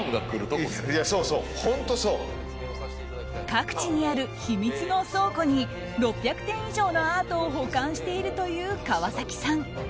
各地にある秘密の倉庫に６００点以上のアートを保管しているという川崎さん。